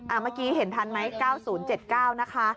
เมื่อกี้เห็นทันไหม๙๐๗๙นะคะ